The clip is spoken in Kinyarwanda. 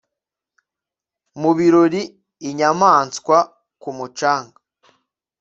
mu birori, inyamanswa, ku mucanga